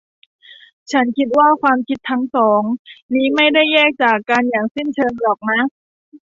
ฉันคิดว่าความคิดทั้งสองนี้ไม่ได้แยกจากกันอย่างสิ้นเชิงหรอกนะ